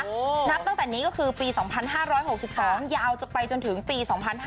นับตั้งแต่นี้ก็คือปี๒๕๖๒ยาวจะไปจนถึงปี๒๕๕๙